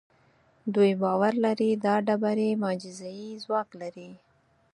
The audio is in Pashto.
دوی باور لري دا ډبرې معجزه اي ځواک لري.